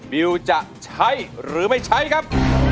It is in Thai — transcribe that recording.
วิวจะใช้หรือไม่ใช้ครับ